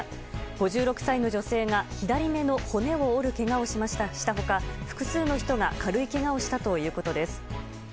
５６歳の女性が左目の骨を折るけがをした他複数の人が軽いけがをしたということです。